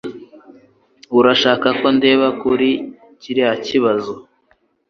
Urashaka ko ndeba kuri kiriya kibazo?